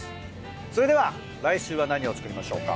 それでは来週は何を作りましょうか？